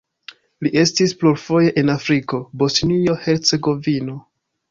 Li estis plurfoje en Afriko, Bosnio-Hercegovino.